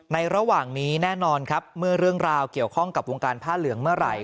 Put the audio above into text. ระหว่างนี้แน่นอนครับเมื่อเรื่องราวเกี่ยวข้องกับวงการผ้าเหลืองเมื่อไหร่